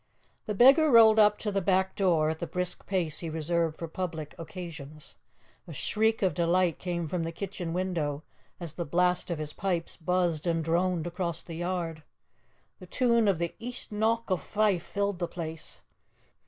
The beggar rolled up to the back door at the brisk pace he reserved for public occasions. A shriek of delight came from the kitchen window as the blast of his pipes buzzed and droned across the yard. The tune of the 'East Nauk of Fife' filled the place.